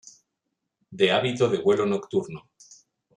De hábito de vuelo nocturno.